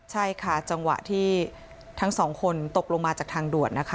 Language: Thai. ใช่ค่ะจังหวะที่ทั้งสองคนตกลงมาจากทางด่วนนะคะ